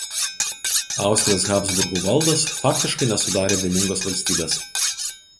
Austrijos Habsburgų valdos faktiškai nesudarė vieningos valstybės.